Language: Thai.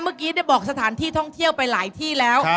เมื่อกี้ได้บอกสถานที่ท่องเที่ยวไปหลายที่แล้ว